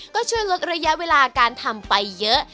ก็ช่วยลดระยะเวลาการทำไปเยอะ